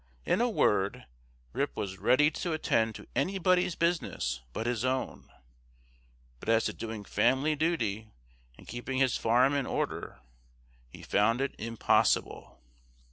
In a word, Rip was ready to attend to anybody's business but his own; but as to doing family duty, and keeping his farm in order, he found it impossible.